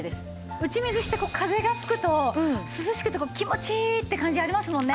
打ち水して風が吹くと涼しくて気持ちいいって感じありますもんね。